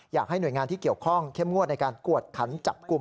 อยากให้หน่วยงานที่เกี่ยวข้องเข้มงวดในการกวดขันจับกลุ่ม